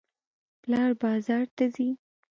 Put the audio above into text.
پلار بازار ته ځي.